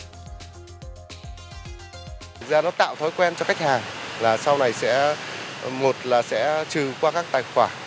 thực ra nó tạo thói quen cho khách hàng là sau này sẽ một là sẽ trừ qua các tài khoản